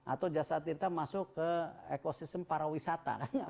atau jasa tirta masuk ke ekosistem para wisata